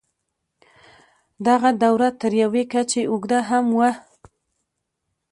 دغه دوره تر یوې کچې اوږده هم وه.